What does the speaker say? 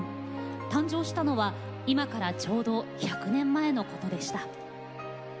誕生したのは、今からちょうど１００年前のことでした。